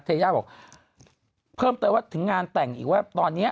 ยาบอกเพิ่มเติมว่าถึงงานแต่งอีกว่าตอนนี้